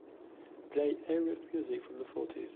Play Arif music from the fourties.